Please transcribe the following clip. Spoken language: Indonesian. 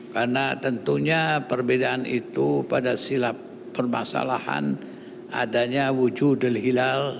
karena tentunya perbedaan itu pada silap permasalahan adanya wujudul hilal